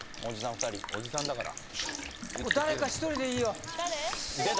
２人おじさんだから誰か１人でいいよ誰？